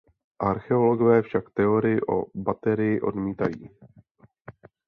Archeologové však teorii o baterii odmítají.